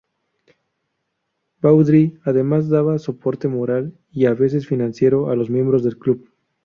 Baudry además daba soporte moral y a veces financiero a los miembros del club.